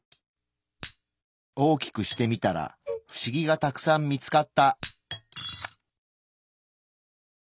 大きくしてみたらフシギがたくさん見つかった。